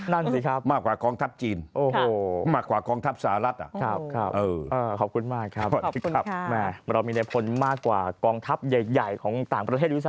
ไม่คิดว่าจะเยอะขนาดนี้เพราะจริงมีในพลมากกว่ากองทัพรัชเซีย